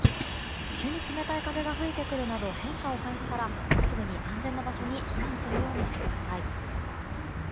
急に冷たい風が吹いてくるなど変化を感じたらすぐに安全な場所に避難するようにしてください。